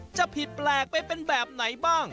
จะผิดแปลกไปเป็นแบบไหนบ้าง